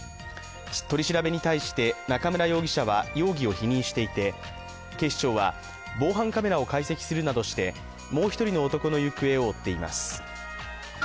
取り調べに対して中村容疑者は容疑を否認していて警視庁は防犯カメラを解析するなどしてもう１人の男の行方を追っています